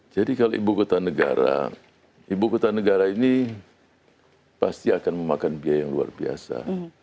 jadi kalau ibu kota negara ibu kota negara ini pasti akan memakan biaya yang luar biasa